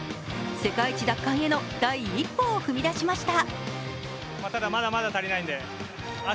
世界一奪還への第一歩を踏み出しました。